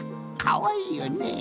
かわいいよね？